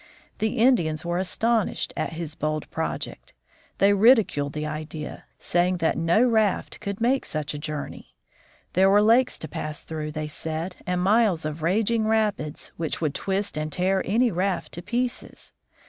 The Indians were astonished at this bold project. They ridiculed the idea, saying that no raft could make such a journey. There were lakes to pass through, they said, and miles of raging rapids, which would twist and tear any raft to pieces.